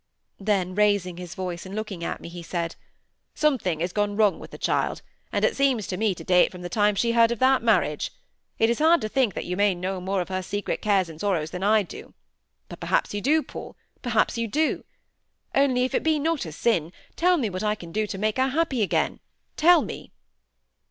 Then, raising his voice, and looking at me, he said, "Something has gone wrong with the child; and it seemed to me to date from the time she heard of that marriage. It is hard to think that you may know more of her secret cares and sorrows than I do,—but perhaps you do, Paul, perhaps you do,—only, if it be not a sin, tell me what I can do to make her happy again; tell me."